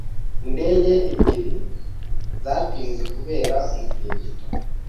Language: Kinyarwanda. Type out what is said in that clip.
Indege ebyiri zatinze kubera umutingito.